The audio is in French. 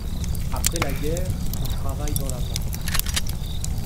Après la guerre, il travaille dans la banque.